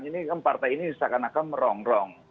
ini partai ini seakan akan merong rong